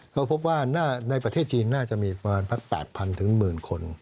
เขาพบว่าในประเทศจีนน่าจะมีประมาณ๘๐๐๐ถึง๑๐๐๐๐คน